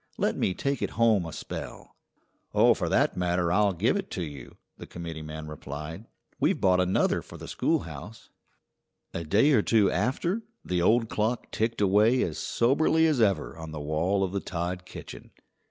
Let me take it home a spell." "Oh, for that matter I'll give it to you," the committeeman replied. "We've bought another for the schoolhouse." A day or two after the old clock ticked away as soberly as ever on the wall of the Todd kitchen.